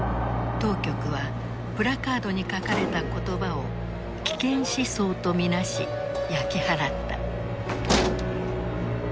当局はプラカードに書かれた言葉を危険思想と見なし焼き払った。